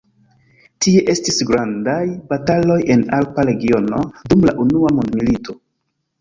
Tie estis grandaj bataloj en alpa regiono dum la unua mondmilito.